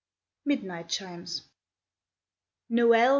MIDNIGHT CHIMES Noel!